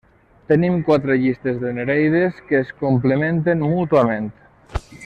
Tenim quatre llistes de nereides, que es complementen mútuament.